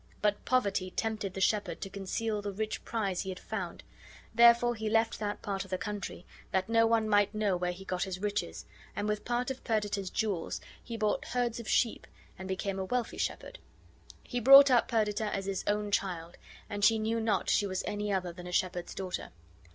But poverty tempted the shepherd to conceal the rich prize be had found; therefore he left that part of the country, that no one might know where he got his riches, and with part of Perdita's jewels be bought herds of sheep and became a wealthy shepherd. He brought up Perdita as his own child, and she knew not she was any other than a shepherd's daughter.